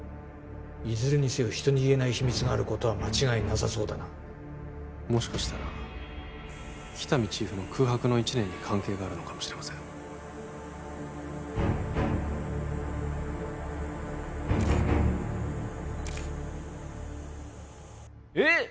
いずれにせよ人に言えない秘密があることは間違いなさそうだなもしかしたら喜多見チーフの空白の一年に関係があるのかもしれませんえっ